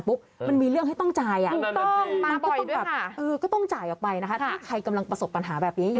ประจำเลยอะ